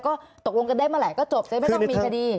ก็ตกลงกันได้เมื่อไหร่ก็จบจะได้ไม่ต้องมีคดี